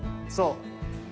そう。